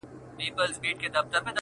د مړو هر وخت په قيامت رضا وي.